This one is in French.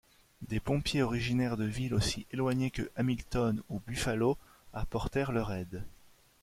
Des pompiers originaires de villes aussi éloignées que Hamilton ou Buffalo apportèrent leur aide.